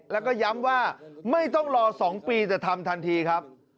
แล้วก็ย้ำว่าไม่ต้องรอ๒ปีแต่ทำทันทีครับ